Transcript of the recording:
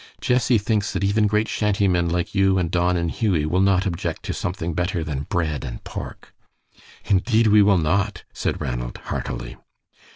"Jessie thinks that even great shanty men like you and Don and Hughie will not object to something better than bread and pork." "Indeed, we will not," said Ranald, heartily.